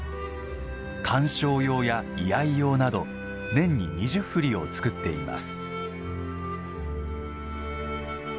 鑑賞用や居合い用など年に２０振りを作っています。